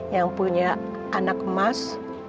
yang punya anak emas